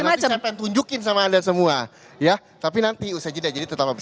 dan nanti saya pengen tunjukin sama kalian semua ya tapi nanti usah jadi tetap bersama kami di sapa indi